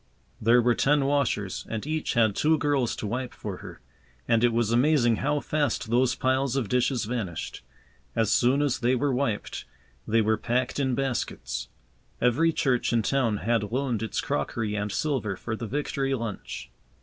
There were ten washers, and each had two girls to wipe for her, and it was amazing how fast those piles of dishes vanished. As soon as they were wiped, they were packed in baskets. Every church in town had loaned its crockery and silver for the Victory lunch.